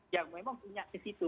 yang memang punya ke situ